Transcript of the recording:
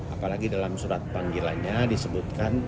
apalagi dalam surat panggilannya disebutkan